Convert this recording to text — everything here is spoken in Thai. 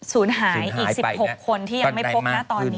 ศูนย์หายอีก๑๖คนที่ยังไม่พบนะตอนนี้